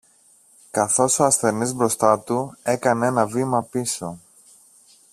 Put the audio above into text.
καθώς ο ασθενής μπροστά του έκανε ένα βήμα πίσω